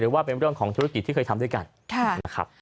หรือว่าเป็นเรื่องของธุรกิจที่เคยทำด้วยกัน